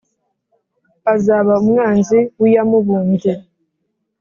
Azaba umwanzi w`iyamubumbye